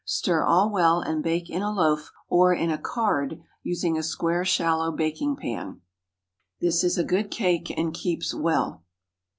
Stir all well, and bake in a loaf or in a "card," using a square shallow baking pan. This is a good cake, and keeps well.